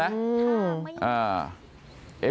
อืม